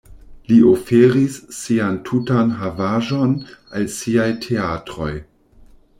Li oferis sian tutan havaĵon al siaj teatroj.